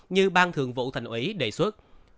như ban thường vụ thành ủy đề xuất